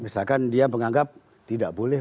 misalkan dia menganggap tidak boleh